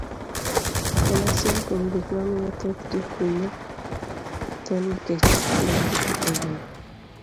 D. en achiel kuom gik mamiyo thoth jokunyo tho nikech lwargi e bur.